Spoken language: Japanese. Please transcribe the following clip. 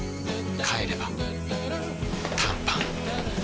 帰れば短パン